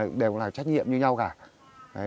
không phải trách nhiệm như nhau cả